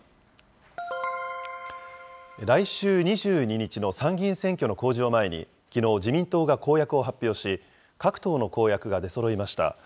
来週２２日の参議院選挙の公示を前に、きのう、自民党が公約を発表し、各党の公約が出そろいました。